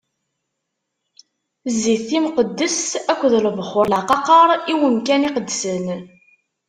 Zzit timqeddest akked lebxuṛ n leɛqaqer i umkan iqedsen.